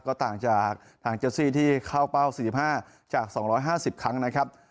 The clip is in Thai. ก็ต่างจากทางเจซี่ที่เข้าเป้า๔๕จาก๒๕๐ครั้งนะครับ